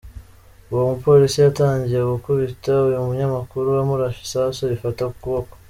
Uwo mupolisi yatangiye gukubita uyu munyamakuru, amurashe isasu rifata ukuboko.